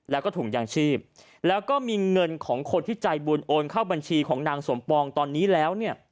แล้วก็ถุงยางชีพแล้วก็มีเงินของคนที่ใจบุญโอนเข้าบัญชีของนางสมปองตอนนี้แล้วเนี่ย